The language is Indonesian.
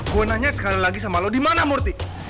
gua nanya sekali lagi sama lu dimana murthy